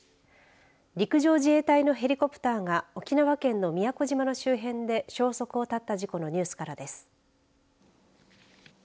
陸上自衛隊のヘリコプターが沖縄県の宮古島の周辺で消息を絶った事故のニュースからです。